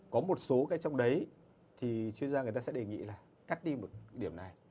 có một số cái trong đấy thì chuyên gia người ta sẽ đề nghị là cắt đi một cái điểm này